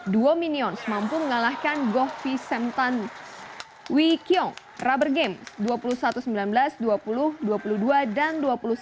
duo minions mampu mengalahkan govi semtan wi kiong rubber game dua puluh satu sembilan belas dua puluh dua puluh dua dan dua puluh satu sembilan belas